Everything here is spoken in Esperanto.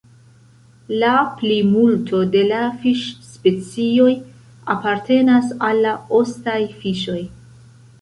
La plimulto de la fiŝ-specioj apartenas al la ostaj fiŝoj.